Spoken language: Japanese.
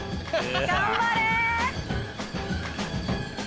頑張れ！